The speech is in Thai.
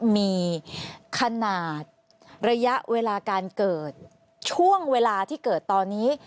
มีขนาดระยะเวลาการเกิดช่วงเวลาที่เกิดตอนนี้